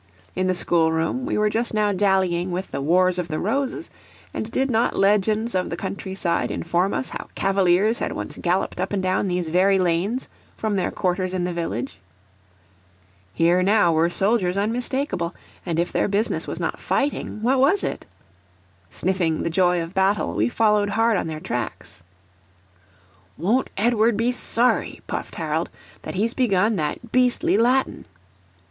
In the schoolroom we were just now dallying with the Wars of the Roses; and did not legends of the country side inform us how Cavaliers had once galloped up and down these very lanes from their quarters in the village? Here, now, were soldiers unmistakable; and if their business was not fighting, what was it? Sniffing the joy of battle, we followed hard on their tracks. "Won't Edward be sorry," puffed Harold, "that he's begun that beastly Latin?"